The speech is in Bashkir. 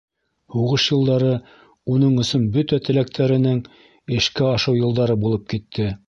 Һуғыш йылдары уның өсөн бөтә теләктәренең эшкә ашыу йылдары булып китте.